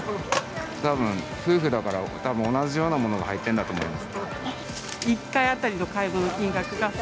たぶん、夫婦だから、たぶん同じようなものが入ってんだと思います。